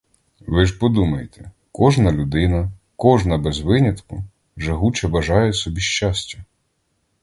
Ви ж подумайте: кожна людина, кожна, без винятку жагуче бажає собі щастя.